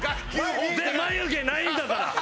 で眉毛ないんだから。